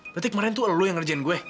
berarti kemarin tuh lo yang ngerjain gue